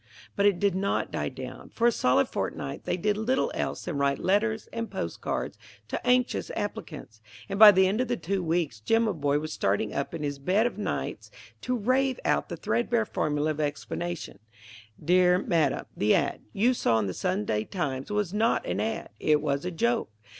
But it did not die down. For a solid fortnight they did little else than write letters and postal cards to anxious applicants, and by the end of the two weeks Jimaboy was starting up in his bed of nights to rave out the threadbare formula of explanation: "Dear Madam: The ad. you saw in the Sunday Times was not an ad.; it was a joke.